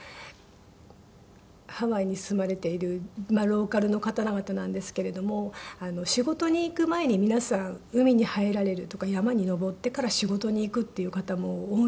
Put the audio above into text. ハワイに住まれているローカルの方々なんですけれども仕事に行く前に皆さん海に入られるとか山に登ってから仕事に行くっていう方も多いんですね。